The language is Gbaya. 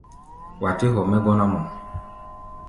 Wa tɛ́ hɔ mɛ́ gɔ́ná-mɔ.